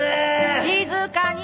静かに！